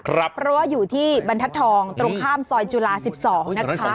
เพราะว่าอยู่ที่บรรทัศน์ทองตรงข้ามซอยจุฬา๑๒นะคะ